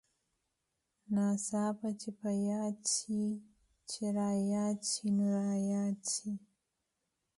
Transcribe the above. ناڅاپه چې په ياد سې چې راياد سې نو راياد سې.